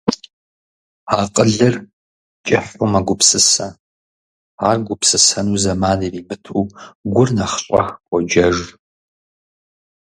Акъылыр кӀыхьу мэгупсысэ, ар гупсысэну зэман иримыту гур нэхъ щӀэх поджэж.